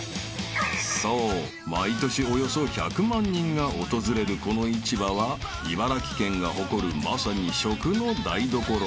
［そう毎年およそ１００万人が訪れるこの市場は茨城県が誇るまさに食の台所］